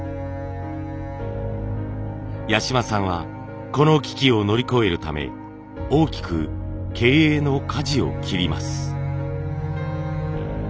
八島さんはこの危機を乗り越えるため大きく経営のかじを切ります。